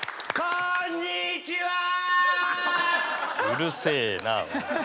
うるせえな。